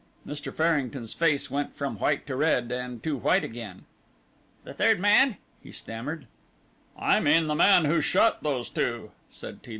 Mr. Farrington's face went from white to red, and to white again. "The third man?" he stammered. "I mean the man who shot those two," said T.